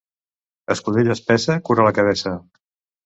Escudella espessa cura la cabeça.